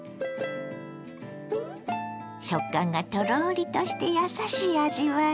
食感がトロリとしてやさしい味わい。